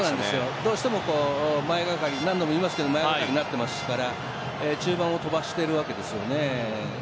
どうしても前がかり何度も言いますけど前がかりになっていますから中盤を飛ばしているわけです。